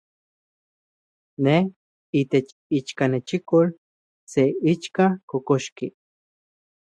Ne, itech ichkanechikol, se ixka kokoxki.